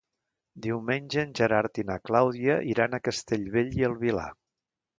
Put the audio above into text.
Diumenge en Gerard i na Clàudia iran a Castellbell i el Vilar.